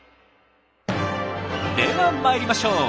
では参りましょう！